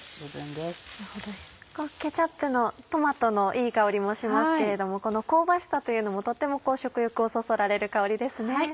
ケチャップのトマトのいい香りもしますけれどもこの香ばしさというのもとっても食欲をそそられる香りですね。